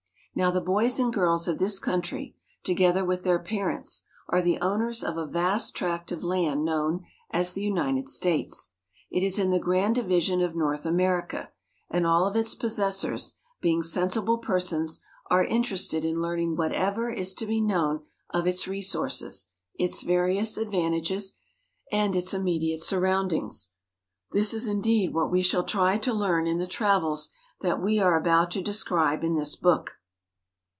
Now the boys and girls of this country, together with their parents, are the owners of a vast tract of land known as the " United States." It is in the grand division of North America ; and all of its possessors, being sensible persons, are interested in learning whatever is to be known of its resources, its various advantages, and its immediate surroundings. This is indeed what we shall try to learn in the travels that we are about to describe in this book.